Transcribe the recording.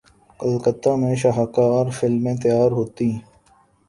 کلکتہ میں شاہکار فلمیں تیار ہوتیں۔